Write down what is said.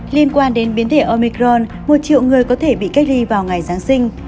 liên quan đến biến thể omicron một triệu người có thể bị cách ly vào ngày giáng sinh